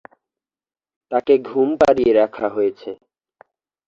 তাঁকে ঘুম পাড়িয়ে রাখা হয়েছে।